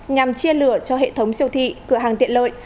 nhằm chia lửa cho hệ thống siêu thị cửa hàng tiện lợi